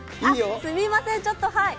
すみません、ちょっと。